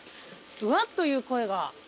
「うわっ」という声が。